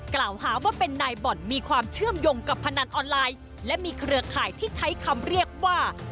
กับพนันออนไลน์และมีเครือข่ายที่ใช้คำเรียกว่า